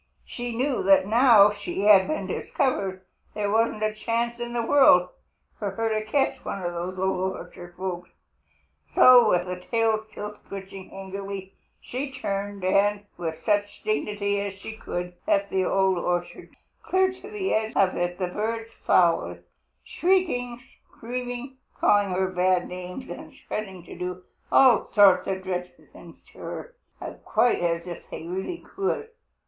She knew that, now she had been discovered, there wasn't a chance in the world for her to catch one of those Old Orchard folks. So, with tail still twitching angrily, she turned and, with such dignity as she could, left the Old Orchard. Clear to the edge of it the birds followed, shrieking, screaming, calling her bad names, and threatening to do all sorts of dreadful things to her, quite as if they really could.